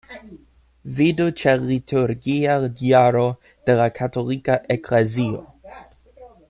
Vidu ĉe Liturgia jaro de la Katolika Eklezio.